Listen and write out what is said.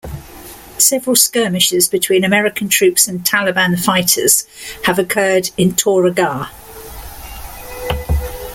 Several skirmishes between American troops and Taliban fighters have occurred in Tora Ghar.